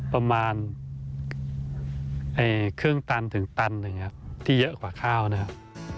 ประมาณเครื่องตันถึงตันหนึ่งครับที่เยอะกว่าข้าวนะครับ